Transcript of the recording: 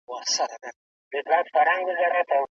ښه ګذاره کول د دنيا او آخرت د نيکمرغۍ سبب کيږي.